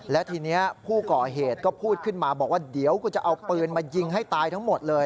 และทีนี้ผู้ก่อเหตุก็พูดขึ้นมาบอกว่าเดี๋ยวกูจะเอาปืนมายิงให้ตายทั้งหมดเลย